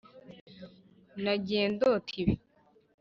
nagiye ndota ibi.